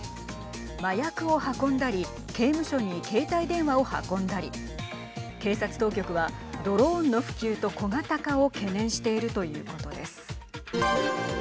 麻薬を運んだり刑務所に携帯電話を運んだり警察当局はドローンの普及と小型化を懸念しているということです。